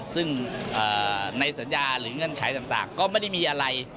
ซึ่งในสัญญาหรือเงื่อนไขต่างก็ไม่ได้มีอะไร